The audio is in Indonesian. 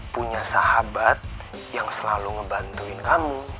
punya sahabat yang selalu ngebantuin kamu